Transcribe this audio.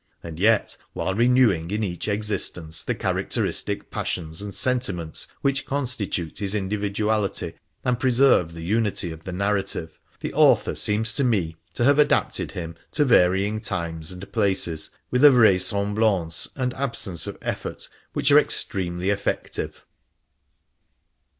And yet, while renewing in each existence the characteristic passions and sentiments which constitute his individuality and preserve the unity of the narrative, the author seems to me to have INTRODUCTION vii adapted hhn to varying times and places with a vraisemblanca and absence of effort which are extremely effective.